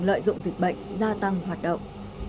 gia tăng hoạt động